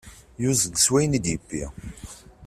Yuzzel s wayen i d-yewwi.